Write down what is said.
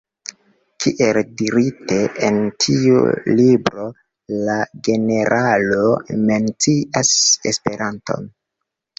Kiel dirite, en tiu libro la generalo mencias Esperanton.